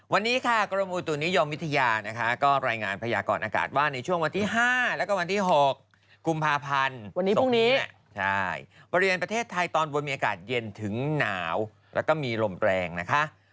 วันนี้ค่ะกรมอุตุนิยมวิทยานะคะก็รายงานพยากรอากาศว่าในช่วงวันที่๕แล้วก็วันที่๖กุมภาพันธ์พรุ่งนี้ใช่บริเวณประเทศไทยตอนบนมีอากาศเย็นถึงหนาวแล้วก็มีลมแรงนะคะ